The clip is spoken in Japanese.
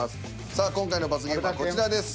さあ今回の罰ゲームはこちらです。